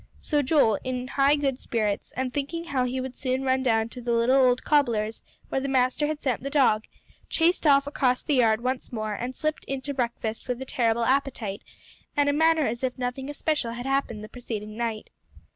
So Joel, in high good spirits, and thinking how he would soon run down to the little old cobbler's where the master had sent the dog, chased off across the yard once more, and slipped in to breakfast with a terrible appetite, and a manner as if nothing especial had happened the preceding night.